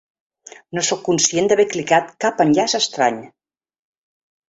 No sóc conscient d’haver clicat cap enllaç estrany.